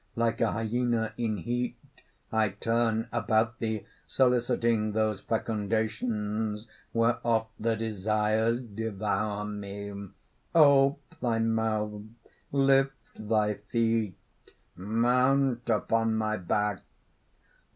Like a hyena in heat I turn about thee, soliciting those fecundations whereof the desires devour me! "Ope thy mouth, lift thy feet mount upon my back!"